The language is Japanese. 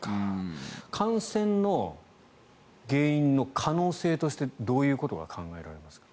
感染の原因の可能性としてどういうことが考えられますか？